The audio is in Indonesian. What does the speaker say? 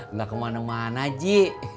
nggak kemana mana ji